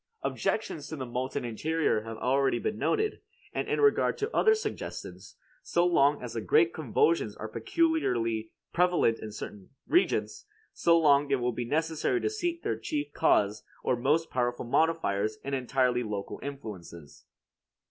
Objections to the molten interior have been already noted; and in regard to the other suggestions, so long as the great convulsions are peculiarly prevalent in certain regions, so long it will be necessary to seek their chief cause or most powerful modifiers in entirely local influences.